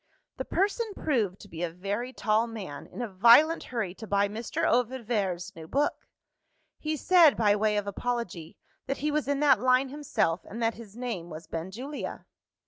The person proved to be a very tall man, in a violent hurry to buy Mr. Ovid Vere's new book. He said, by way of apology, that he was in that line himself, and that his name was Benjulia.